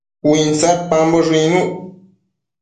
Uinsadpamboshë icnuc